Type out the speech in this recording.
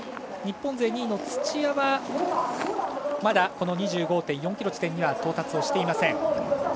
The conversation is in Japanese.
日本勢２位の土屋はまだ２５．４ｋｍ地点には到達していません。